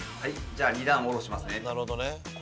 ２段下ろしますね。